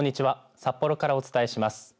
札幌からお伝えします。